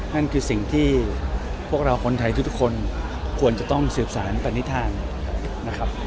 นั่นคือสิ่งที่พวกเราคนไทยทุกคนควรจะต้องสืบสารปณิธานนะครับ